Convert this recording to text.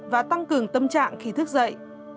và tăng cường tâm trạng khi thức dậy